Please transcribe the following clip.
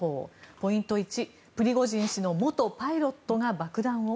ポイント１プリゴジン氏の元パイロットが爆弾を？